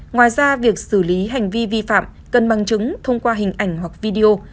ngoài ra việc xử lý hành vi vi phạm cần bằng chứng thông qua hình ảnh hoặc video